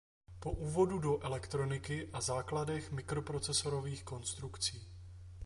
po úvodu do elektroniky a základech mikroprocesorových konstrukcí